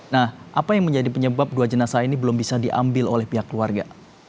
nah apa yang menjadi penyebab dua jenazah ini belum bisa diambil oleh pihak keluarga